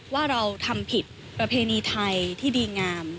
ว่าเราทำผิดประเพณีไทยที่ดีงาม